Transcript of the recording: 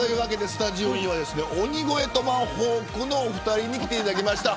スタジオには鬼越トマホークの２人に来ていただきました。